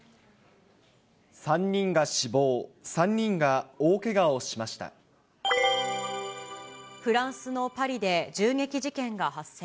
３人が死亡、３人が大けがをフランスのパリで銃撃事件が発生。